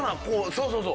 そうそうそう。